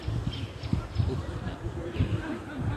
ukna